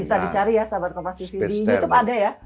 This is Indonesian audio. bisa dicari ya sahabat kompas tv di youtube ada ya